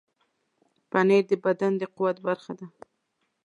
پنېر د بدن د قوت برخه ده.